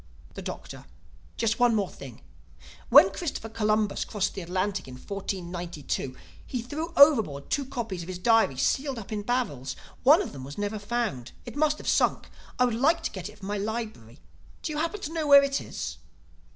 The Doctor: "Just one more thing: when Christopher Columbus crossed the Atlantic in 1492, he threw overboard two copies of his diary sealed up in barrels. One of them was never found. It must have sunk. I would like to get it for my library. Do you happen to know where it is?"